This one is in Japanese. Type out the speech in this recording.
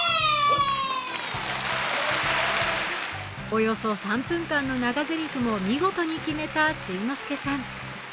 およそ３分間の長ぜりふも見事に決めた新之助さん。